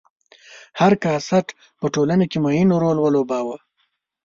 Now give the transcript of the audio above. هر کاسټ په ټولنه کې معین رول ولوباوه.